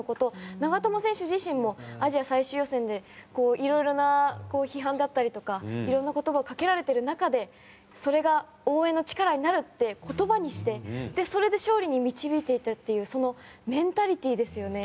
長友選手自身もアジア最終予選でいろいろな批判だったりとかいろいろな言葉をかけられている中でそれが応援の力になるって言葉にしてそれで勝利に導いていったというそのメンタリティーですよね。